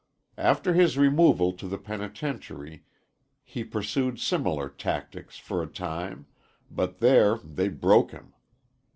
After his removal to the penitentiary he pursued similar tactics for a time, but there they broke him.